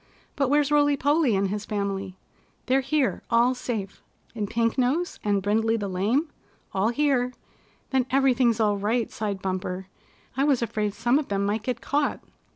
But where's Rolly Polly and his family?" "They're here all safe." "And Pink Nose, and Brindley the Lame?" "All here!" "Then everything's all right," sighed Bumper. "I was afraid some of them might get caught."